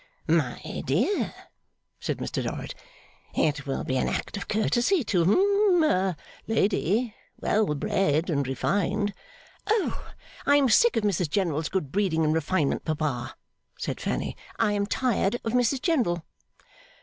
'My dear,' said Mr Dorrit, 'it will be an act of courtesy to hum a lady, well bred and refined ' 'Oh! I am sick of Mrs General's good breeding and refinement, papa,' said Fanny. 'I am tired of Mrs General.